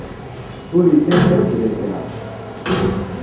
Ur illa kra bla kra.